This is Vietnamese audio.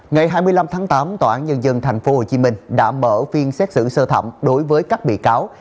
ngày hai mươi năm tháng tám tòa án nhân dân tp hcm đã mở phiên xét xử sơ thẩm đối với các bị cáo